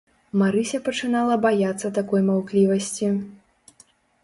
Марыся пачынала баяцца такой маўклівасці.